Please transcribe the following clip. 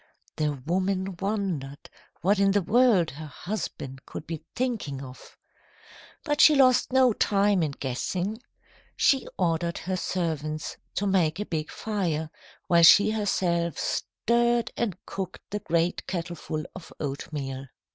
"The woman wondered what in the world her husband could be thinking of. But she lost no time in guessing. She ordered her servants to make a big fire, while she herself stirred and cooked the great kettleful of oatmeal.